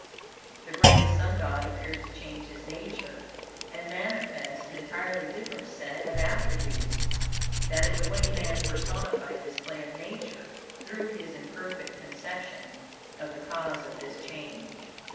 The great Sun God appears to change his nature and manifests an entirely different set of attributes. That is the way man personified this play of Nature, through his imperfect conception of the cause of this change.